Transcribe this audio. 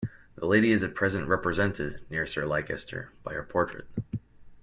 The Lady is at present represented, near Sir Leicester, by her portrait.